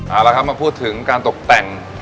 เอาละครับมาพูดถึงการตกแต่ง